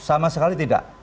sama sekali tidak